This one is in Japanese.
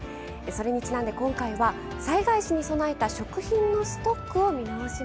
それにちなんで今回は災害時に備えた食品のストックを見直しましょう。